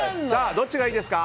どっちがいいですか？